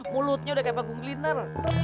mulutnya udah kayak pabung gliner